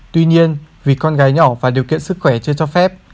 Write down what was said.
tuy nhiên vì con gái nhỏ và điều kiện sức khỏe chưa cho phép